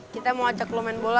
kita mau ajak lo main bola